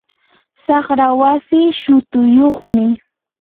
saqra wasii shutuyyuqmi.